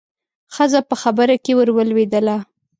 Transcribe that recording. ښځه په خبره کې ورولوېدله.